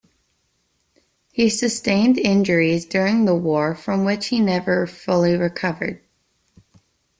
He sustained injuries during the war from which he never fully recovered.